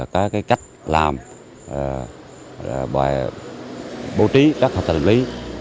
có cách làm và bố trí rất là lợi lý